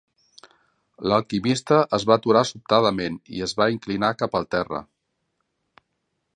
L'alquimista es va aturar sobtadament i es va inclinar cap al terra.